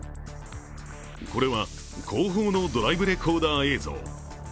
これは後方のドライブレコーダー映像。